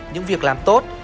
hay những việc làm tốt